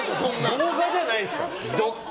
動画じゃないんですか。